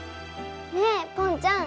ねえぽんちゃん。